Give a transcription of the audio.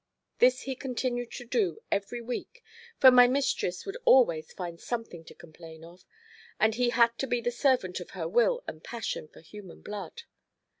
This he continued to do every week, for my mistress would always find something to complain of, and he had to be the servant of her will and passion for human blood.